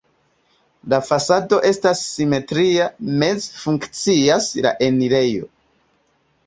La fasado estas simetria, meze funkcias la enirejo.